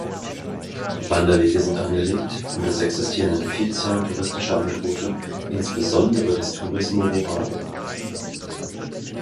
Wanderwege sind angelegt, und es existieren eine Vielzahl touristischer Angebote, insbesondere des Turismo rural.